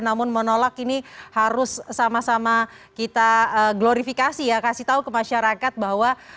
namun menolak ini harus sama sama kita glorifikasi ya kasih tahu ke masyarakat bahwa